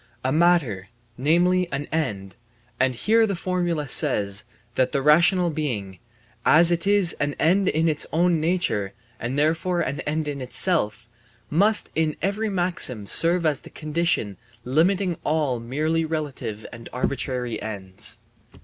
A matter, namely, an end, and here the formula says that the rational being, as it is an end by its own nature and therefore an end in itself, must in every maxim serve as the condition limiting all merely relative and arbitrary ends.